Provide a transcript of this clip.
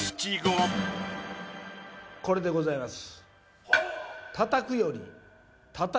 これでございます。